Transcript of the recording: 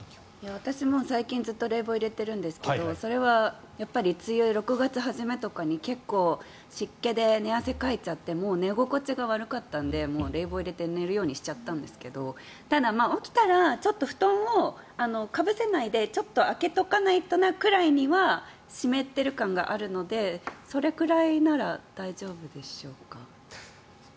私、最近ずっと冷房入れてるんですけどそれは梅雨、６月初めとかに結構、湿気で寝汗をかいちゃってもう寝心地が悪かったんで冷房を入れて寝るようにしちゃったんですがただ、起きたらちょっと布団をかぶせないでちょっと開けておけないとなくらいには湿ってる感があるのでそれくらいなら大丈夫でしょうか？